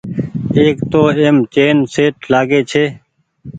ايڪ تو ايم چيئن شيٽ لآگي ڇي۔